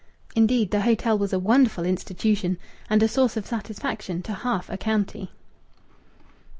Indeed, the hotel was a wonderful institution, and a source of satisfaction to half a county.